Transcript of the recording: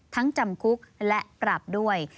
จำคุกและปรับด้วย